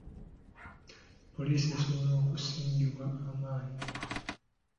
Poliisi esobola okusingibwa amaanyi?